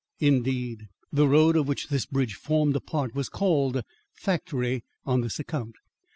Indeed the road of which this bridge formed a part was called Factory on this account.